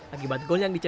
akibat gol yang dicetak